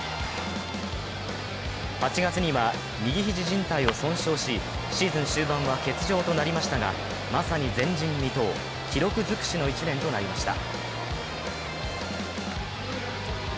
８月には右肘靱帯を損傷し、シーズン終盤は欠場となりましたが、まさに前人未到記録づくしの１年となりました。